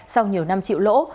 sau nhiều năm chịu lỗ